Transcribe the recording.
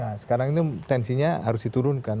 nah sekarang ini tensinya harus diturunkan